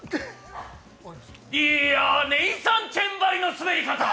いやネイサン・チェンばりの滑り方。